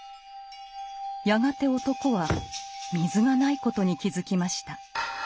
やがて男は水がないことに気付きました。